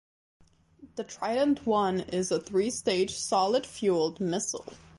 The Trident One is a three-stage, solid-fuelled missile.